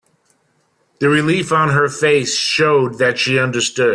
The relief on her face showed that she understood.